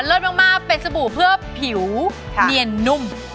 มากเป็นสบู่เพื่อผิวเนียนนุ่ม